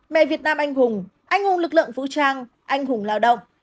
mẹ việt nam anh hùng anh hùng lực lượng vũ trang anh hùng lao động